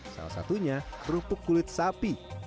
salah satunya kerupuk kulit sapi